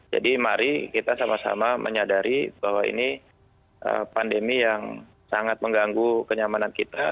jadi mari kita sama sama menyadari bahwa ini pandemi yang sangat mengganggu kenyamanan kita